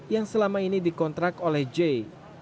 yang selama ini dikontrak oleh j